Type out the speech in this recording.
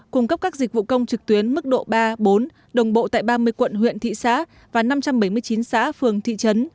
cung cấp các dịch vụ công trực tuyến mức độ ba bốn đồng bộ tại ba mươi quận huyện thị xã và năm trăm bảy mươi chín xã phường thị trấn